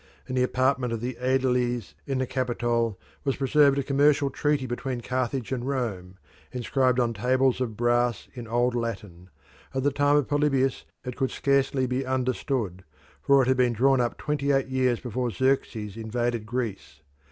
In the apartment of the Aediles in the Capitol was preserved a commercial treaty between Carthage and Rome, inscribed on tables of brass in old Latin; in the time of Polybius it could scarcely be understood, for it had been drawn up twenty eight years before Xerxes invaded Greece.